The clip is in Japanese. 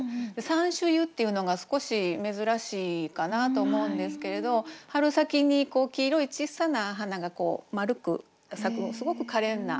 「山茱萸」っていうのが少し珍しいかなと思うんですけれど春先に黄色いちっさな花が丸く咲くすごくかれんな。